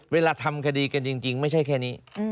ทำคดีกันจริงไม่ใช่แค่นี้